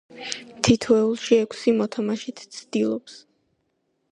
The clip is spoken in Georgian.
თითოეულში ექვსი მოთამაშით ცდილობს